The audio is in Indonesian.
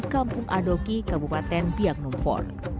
kampung adoki kabupaten biak numfor